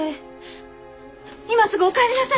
今すぐお帰りなさい！